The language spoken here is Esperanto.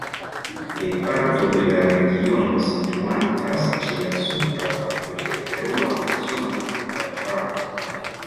Plej parto de la regiono situantas ĉe la supra parto de perua Amazona Pluvarbaro.